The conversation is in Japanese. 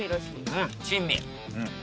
うん珍味。